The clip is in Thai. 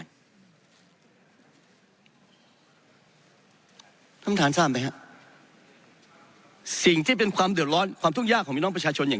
ท่านประธานทราบไหมฮะสิ่งที่เป็นความเดือดร้อนความทุกข์ยากของพี่น้องประชาชนอย่าง